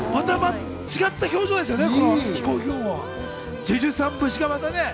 違った表情ですよね。